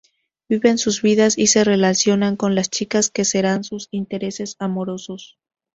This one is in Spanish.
Viven sus vidas y se relacionan con las chicas que serán sus intereses amorosos.